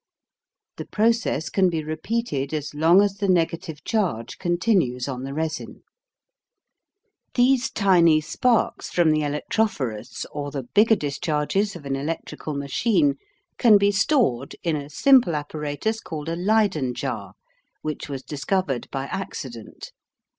The process can be repeated as long as the negative charge continues on the resin. These tiny sparks from the electrophorus, or the bigger discharges of an electrical machine, can be stored in a simple apparatus called a Leyden jar, which was discovered by accident.